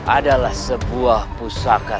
adalah sebuah pusaka